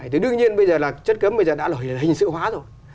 thì đương nhiên bây giờ là chất cấm bây giờ đã là hình sự hóa rồi